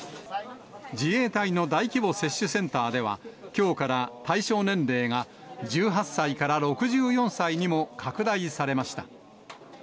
自衛隊の大規模接種センターでは、きょうから対象年齢が１８歳から６４歳にも拡大されました。